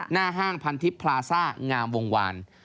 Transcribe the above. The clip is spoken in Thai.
ห้างพันทิพย์พลาซ่างามวงวาน